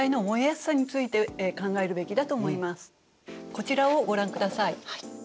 こちらをご覧ください。